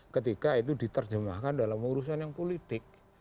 ketika itu diterjemahkan dalam urusan yang politik